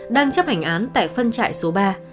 đang chấp hành án tại phân trại số ba